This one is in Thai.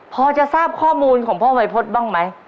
พอจะทราบข้อมูลของพ่อวัยพฤษบ้างไหม